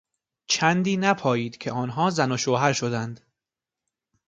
چندی نپایید که آنها زن و شوهر شدند.